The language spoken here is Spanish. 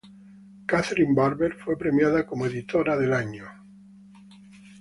Katherine Barber fue premiada como editora del año.